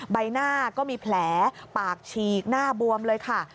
ใบหน้าก็มีแผลปากฉีกหน้าบวมเลยค่ะ